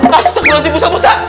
rasu takut lagi musa musa